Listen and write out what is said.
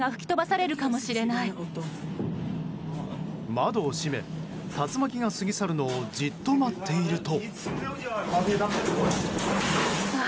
窓を閉め、竜巻が過ぎ去るのをじっと待っていると。